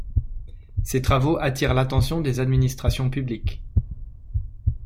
Ses travaux attirent l'attention des administrations publiques.